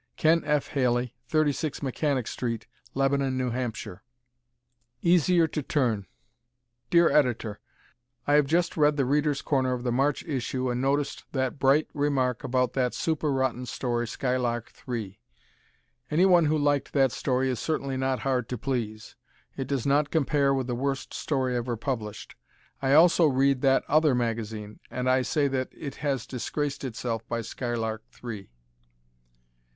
Ken F. Haley, 36 Mechanic St., Lebanon, N.H. "Easier to Turn" Dear Editor: I have just read "The Readers' Corner" of the March issue and noticed that bright remark about that super rotten story, "Skylark Three." Anyone who liked that story is certainly not hard to please. It does not compare with the worst story ever published. I also read that "other magazine" and I say that it has disgraced itself by "Skylark Three."